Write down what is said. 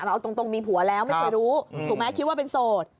เอาตรงมีผัวแล้วไม่เคยรู้ถูกไหมคิดว่าเป็นโสด